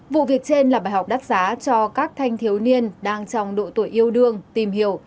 vụ việc trên là bài học đắt giá cho các thanh thiếu niên đang trong độ tuổi yêu đương tìm hiểu